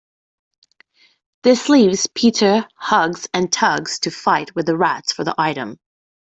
This leaves Peter, Hugs and Tugs to fight with the rats for the item.